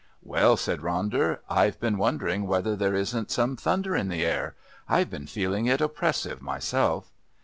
"Well," said Ronder. "I've been wondering whether there isn't some thunder in the air. I've been feeling it oppressive myself."